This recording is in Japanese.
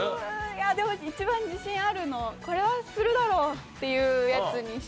いやでも一番自信あるのこれはするだろうっていうやつにしようと思います。